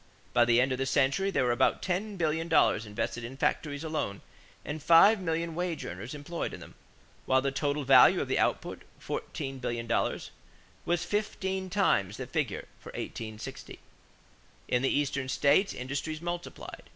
By the end of the century there were about ten billion dollars invested in factories alone and five million wage earners employed in them; while the total value of the output, fourteen billion dollars, was fifteen times the figure for 1860. In the Eastern states industries multiplied.